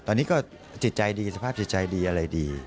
ตอนนี้ก็สิทธิใจดีสภาพสิทธิใจดีอะไรดี